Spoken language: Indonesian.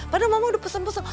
padahal mama udah pesen pesen